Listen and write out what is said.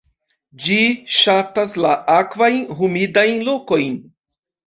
Ĝi ŝatas la akvajn, humidajn lokojn.